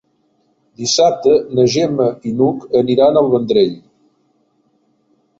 Dissabte na Gemma i n'Hug aniran al Vendrell.